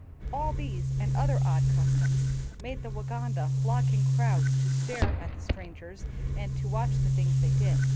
All these and other odd customs made the Waganda flock in crowds to stare at the strangers and to watch the things they did.